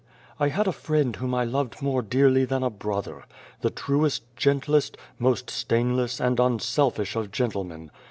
" I had a friend whom I loved more dearly than a brother the truest, gentlest, most stainless, and unselfish of gentlemen.